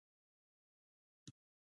د ماشوم د وینې لپاره د څه شي اوبه ورکړم؟